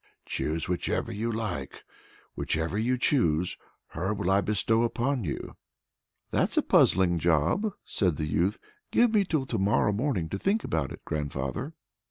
"Choose whichever you like! whichever you choose, her will I bestow upon you." "That's a puzzling job!" said the youth; "give me till to morrow morning to think about it, grandfather!"